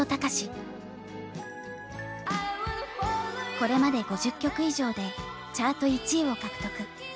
これまで５０曲以上でチャート１位を獲得。